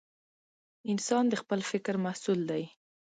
انسان د خپل فکر محصول دی.